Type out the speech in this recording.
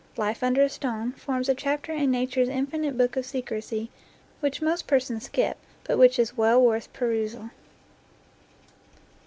"Life under a stone " forms a chapter in Nature's infinite book of secrecy which most persons skip, but which is well worth perusal.